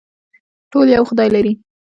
ټول یو خدای لري